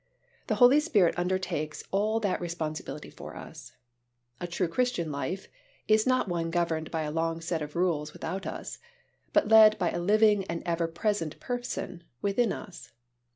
The Holy Spirit undertakes all that responsibility for us. A true Christian life is not one governed by a long set of rules without us, but led by a living and ever present Person within us.